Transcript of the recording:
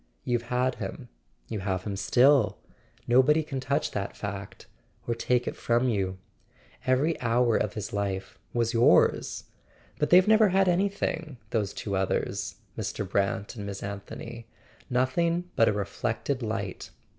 You've had him; you have him still. No¬ body can touch that fact, or take it from you. Every hour of his life was yours. But they've never had any¬ thing, those two others, Mr. Brant and Miss Anthony; nothing but a reflected light.